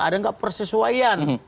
ada nggak persesuaian